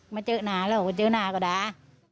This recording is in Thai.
ไม่เจอก็ด่าไม่เจอก็ด่า